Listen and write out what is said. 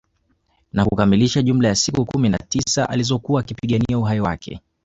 Na kukamiliaha jumla ya siku kumi na tisa alizokuwa akipigania uhai wake